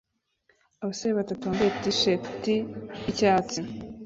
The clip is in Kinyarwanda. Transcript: Abasore batatu bambaye T-shati yicyatsi